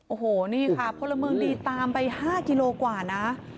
โอ้โหนี่ค่ะพลเมืองดีตามไป๕กิโลกว่านะ